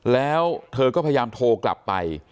แล้วเธอก็พยายามโทรกลับไป